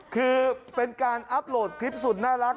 คือเป็นการอัพโหลดคลิปสุดน่ารัก